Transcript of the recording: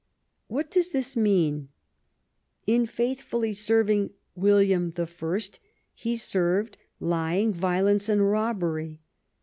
What does this mean ? In faithfully serving William I, he served lying, violence, robbery.